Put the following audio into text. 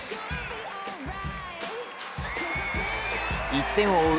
１点を追う